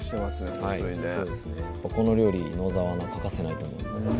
ほんとにねこの料理に野沢菜は欠かせないと思います